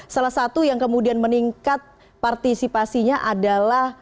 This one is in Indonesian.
salah satu yang kemudian meningkat partisipasinya adalah